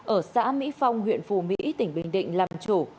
ở xã mỹ phong huyện phù mỹ tỉnh bình định làm chủ